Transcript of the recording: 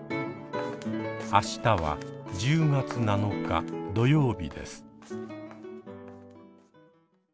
明日は１０月７日土曜日です。